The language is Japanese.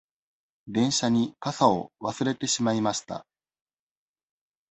電車に傘を忘れてしまいました。